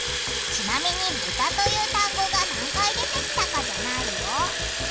ちなみに「ブタ」という単語が何回出てきたかじゃないよ。